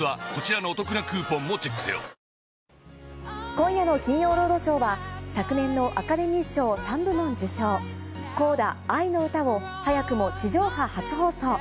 今夜の金曜ロードショーは、昨年のアカデミー賞３部門受賞、コーダあいのうたを、早くも地上波初放送。